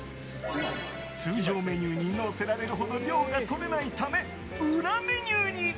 通常メニューに載せられるほど量がとれないため、裏メニューに。